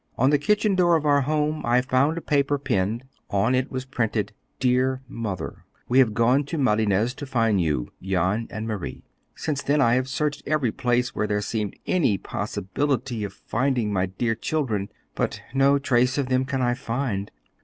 On the kitchen door of our home I found a paper pinned. On it was printed, "Dear Mother We have gone to Malines to find you Jan and Marie." Since then I have searched every place where there seemed any possibility of my finding my dear children, but no trace of them can I find.